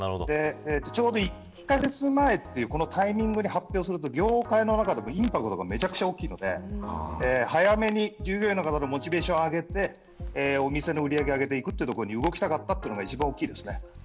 ちょうど１カ月前というタイミングで発表すると業界の中でもインパクトがめちゃくちゃ大きいので早めに従業員の方のモチベーションを上げてお店の売り上げを上げるというところに動きたかったというのが一番大きいですね。